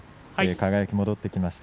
輝が戻ってきました。